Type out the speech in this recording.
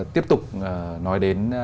tiếp tục nói đến